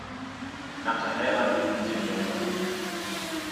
Nach der Heirat lebten sie in London.